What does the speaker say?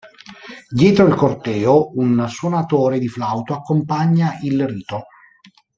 Dietro il corteo, un suonatore di flauto accompagna il rito.